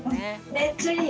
めっちゃいい。